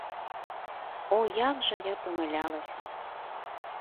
О, як жа я памылялася!